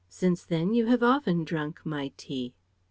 Since then, you have often drunk my tea.